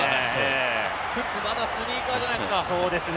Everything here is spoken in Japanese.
まだスニーカーじゃないですか？